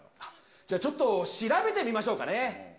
じゃあ、ちょっと、調べてみましょうかね。